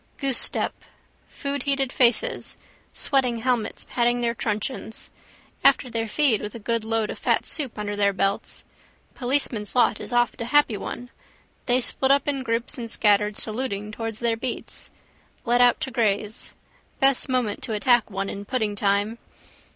Goosestep. Foodheated faces, sweating helmets, patting their truncheons. After their feed with a good load of fat soup under their belts. Policeman's lot is oft a happy one. They split up in groups and scattered, saluting, towards their beats. Let out to graze. Best moment to attack one in pudding time.